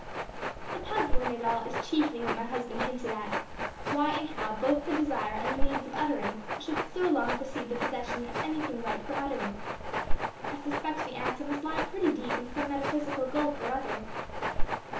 _" The puzzle in it all is chiefly what my husband hinted at, why and how both the desire and the means of utterance should so long precede the possession of any thing ripe for utterance. I suspect the answer must lie pretty deep in some metaphysical gulf or other.